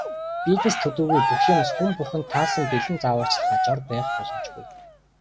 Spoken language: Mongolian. Бизнес төдийгүй бүх юмс, хүн бүхэнд таарсан бэлэн зааварчилгаа, жор байх боломжгүй.